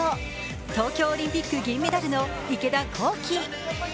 東京オリンピック銀メダルの池田向希。